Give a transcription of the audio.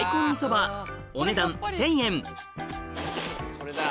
これだ。